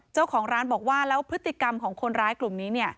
เจ้าของร้านบอกว่าแล้วพฤติกรรมของคนร้ายกลุ่มนี้